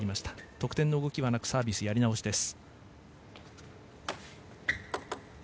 得点の動きはなくサービスやり直しです。